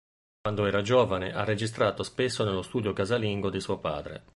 Quando era giovane, ha registrato spesso nello studio casalingo di suo padre.